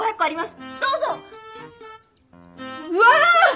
うわ！